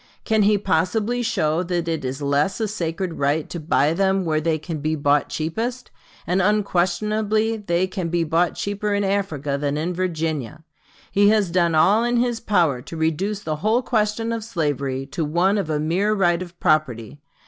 Can he possibly show that it is less a sacred right to buy them where they can be bought cheapest? And unquestionably they can be bought cheaper in Africa than in Virginia. He has done all in his power to reduce the whole question of slavery to one of a mere right of property....